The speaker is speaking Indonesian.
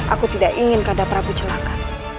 aku tidak ingin ada prabu celaka